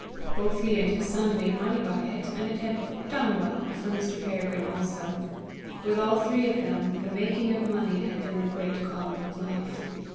Both he and his son made money by it, and it had "done well" for Mr. Peregrine also. With all three of them the making of money had been the great calling of life.